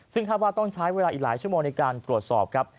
ซึ่งคาดว่าต้องใช้เวลาอีกหลายชั่วโมงในการตรวจสอบครับ